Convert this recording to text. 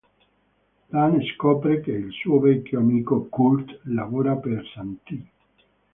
Dan scopre che il suo vecchio amico Curt lavora per Santee.